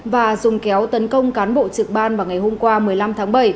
và dùng kéo tấn công cán bộ trực ban vào ngày hôm qua một mươi năm tháng bảy